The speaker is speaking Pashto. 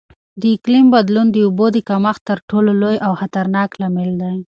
د اقلیم بدلون د اوبو د کمښت تر ټولو لوی او خطرناک لامل دی.